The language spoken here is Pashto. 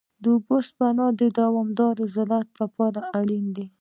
د اوبو سپما د دوامدار زراعت لپاره اړینه ده.